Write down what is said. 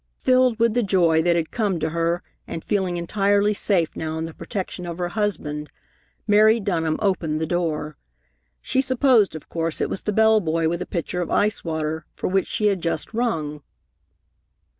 Filled with the joy that had come to her and feeling entirely safe now in the protection of her husband, Mary Dunham opened the door. She supposed, of course, it was the bell boy with a pitcher of ice water, for which she had just rung.